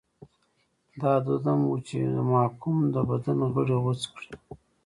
دا دود هم و چې د محکوم د بدن غړي غوڅ کړي.